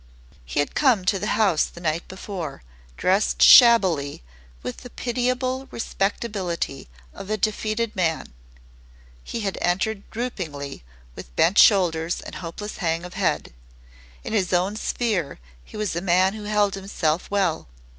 He had come to the house the night before, dressed shabbily with the pitiable respectability of a defeated man. He had entered droopingly with bent shoulders and hopeless hang of head. In his own sphere he was a man who held himself well.